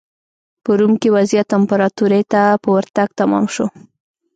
په روم کې وضعیت امپراتورۍ ته په ورتګ تمام شو.